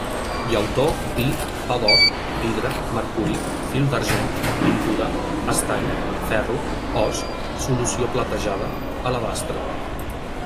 Llautó, pi, pa d'or, vidre, mercuri, fil d'argent, pintura, estany, ferro, os, solució platejada, alabastre.